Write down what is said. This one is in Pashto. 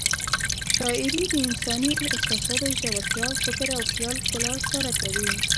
شاعري د انساني احساساتو ژورتیا، فکر او خیال ښکلا ښکاره کوي.